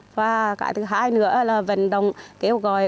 và cái thứ hai nữa là vận động kêu gọi